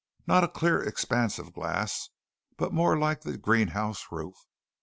Not a clear expanse of glass, but more like the greenhouse roof.